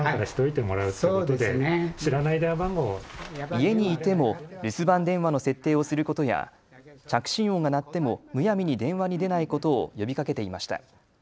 家にいても留守番電話の設定をすることや着信音が鳴ってもむやみに電話に出ないことを呼びかけていました。